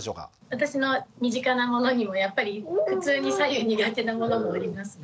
私の身近なものにもやっぱり普通に左右苦手なものもおりますので。